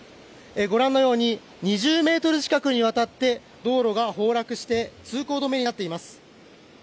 ご覧のように２０ｍ近くにわたって道路が崩落して通行止めになっています。